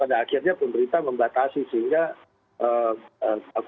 dan akhirnya pemerintah membatasi sehingga